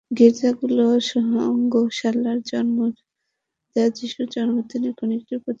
গির্জাগুলোতে গোশালায় জন্ম নেওয়া যিশুর জন্মদিনের ক্ষণটিকে প্রতীকীভাবে ফুটিয়ে তোলা হয়েছে।